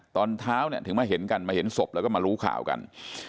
ตอนเช้าเนี่ยถึงมาเห็นกันมาเห็นศพแล้วก็มารู้ข่าวกัน